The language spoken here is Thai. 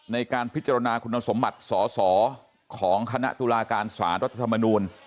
ในการพิจารณาคุณสมบัติสอสอของคณะตุลาการสารรัฐธรรมนูล